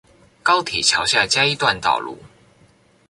高鐵橋下嘉義段道路